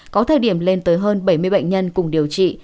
có thời điểm lên tới hơn bảy mươi bệnh nhân cùng điều trị